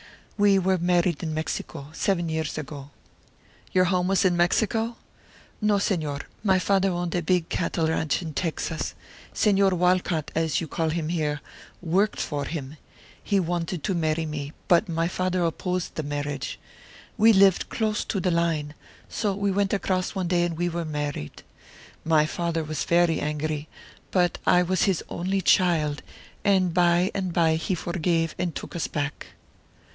"We were married in Mexico, seven years ago." "Your home was in Mexico?" "No, Señor, my father owned a big cattle ranch in Texas. Señor Walcott, as you call him here, worked for him. He wanted to marry me, but my father opposed the marriage. We lived close to the line, so we went across one day and were married. My father was very angry, but I was his only child, and by and by he forgave and took us back."